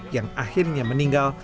yang akhirnya meninggal